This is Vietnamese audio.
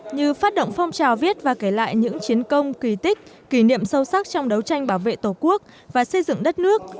như phát động phong trào viết và kể lại những chiến công kỳ tích kỷ niệm sâu sắc trong đấu tranh bảo vệ tổ quốc và xây dựng đất nước